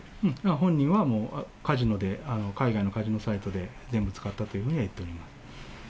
本人はもう、カジノで、海外のカジノサイトで全部使ったというふうには言っております。